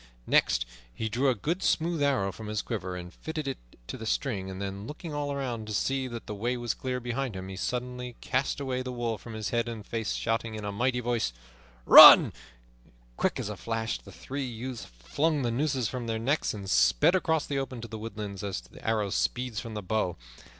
Next he drew a good smooth arrow from his quiver and fitted it to the string; then, looking all around to see that the way was clear behind him, he suddenly cast away the wool from his head and face, shouting in a mighty voice, "Run!" Quick as a flash the three youths flung the nooses from their necks and sped across the open to the woodlands as the arrow speeds from the bow.